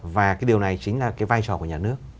và điều này chính là vai trò của nhà nước